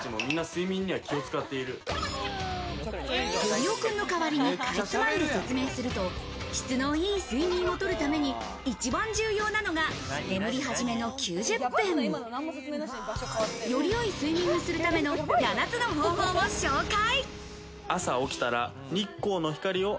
ごりおくんの代わりに、かいつまんで説明すると、質のいい睡眠を取るために一番重要なのが眠りはじめの９０分。より良い睡眠にするための７つの方法を紹介。